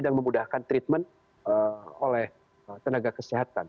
dan memudahkan treatment oleh tenaga kesehatan